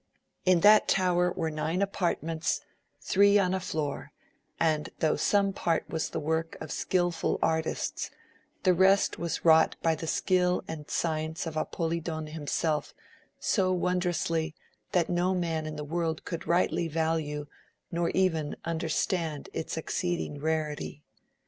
In that tower were nine apartments^ three on a floor, and though some part was the work of skilful artists, the rest was wrought by the sldll and science of Apolidon himself so wonderously that no man in the world could rightly value nor even understand its exceeding rarety.